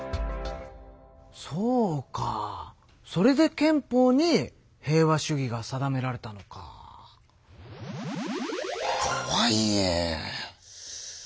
そうかそれで憲法に平和主義が定められたのか。とはいえ。